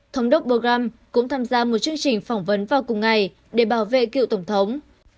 thống đốc bogram cũng tham gia một chương trình phỏng vấn vào cùng ngày để bảo vệ cựu tổng thống